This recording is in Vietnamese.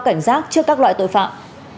cảnh giác trước các loại tội phạm